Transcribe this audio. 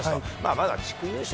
まだ地区優勝